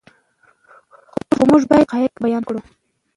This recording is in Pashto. خو موږ باید حقایق بیان کړو.